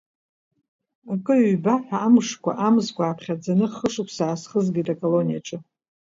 Акы-ҩба ҳәа амшқәа, амзқәа ааԥхьаӡаны, хышықәса аасхызгеит аколониаҿы.